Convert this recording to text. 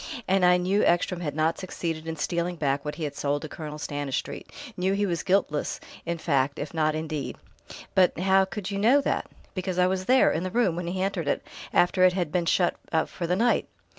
And I knew Ekstrom had not succeeded in stealing back what he had sold to Colonel Stanistreet, knew he was guiltless in fact if not in deed." "But how could you know that?" "Because I was there, in the room, when he entered it after it had been shut up for the night."